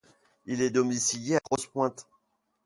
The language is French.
Il est domicilié à Grosse Pointe.